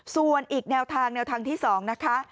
ส่วนอีกแนวทางแนวทางที่๒นะคะ